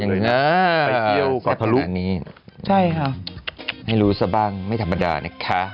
ไปเที่ยวเกาะทะลุนี้ใช่ค่ะให้รู้ซะบ้างไม่ธรรมดานะคะ